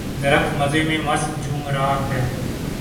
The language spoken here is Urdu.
درخت مزے میں مست جھوم رہا ہے